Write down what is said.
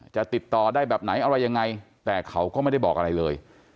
จะติดต่อได้แบบไหนอะไรยังไงแต่เขาก็ไม่ได้บอกอะไรเลย